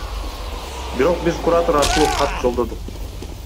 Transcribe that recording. Бирок биз куратор аркылуу кат жолдодук.